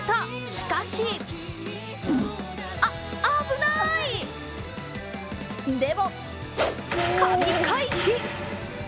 しかしあっ、危ないでも、神回避。